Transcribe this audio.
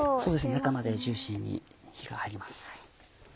中までジューシーに火が入ります。